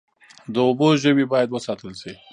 د اوبو ژوي باید وساتل شي